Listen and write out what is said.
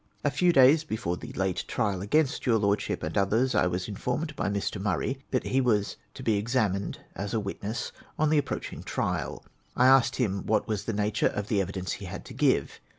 A few days before the late trial against your Lordship and others, I was informed by Mr. Murray, that he was to be ex amined as a witness on the approaching trial. I asked him what was the nature of the evidence he had to give?